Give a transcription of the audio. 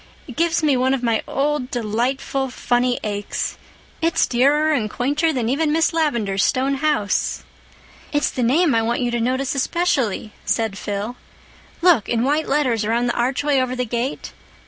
"It gives me one of my old, delightful funny aches. It's dearer and quainter than even Miss Lavendar's stone house." "It's the name I want you to notice especially," said Phil. "Look—in white letters, around the archway over the gate.